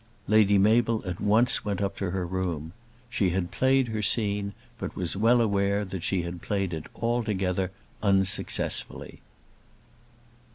Lady Mabel at once went up to her room. She had played her scene, but was well aware that she had played it altogether unsuccessfully.